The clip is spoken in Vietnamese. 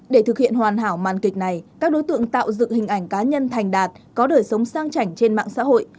để thực hiện hoàn hảo màn kịch này các đối tượng tạo dựng hình ảnh cá nhân thành đạt có đời sống sang chảnh trên mạng xã hội